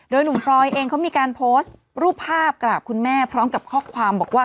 หนุ่มพลอยเองเขามีการโพสต์รูปภาพกราบคุณแม่พร้อมกับข้อความบอกว่า